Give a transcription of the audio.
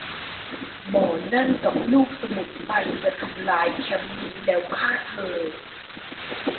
หมอนั่นกับลูกสมุนมันจะทำลายแคมป์นี้ แล้วฆ่าเธอ